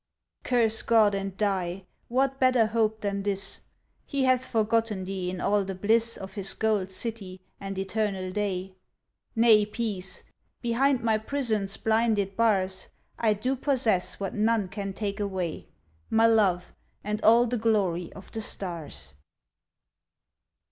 'Curse God and die: what better hope than this? He hath forgotten thee in all the bliss Of his gold city, and eternal day'— Nay peace: behind my prison's blinded bars I do possess what none can take away, My love and all the glory of the stars.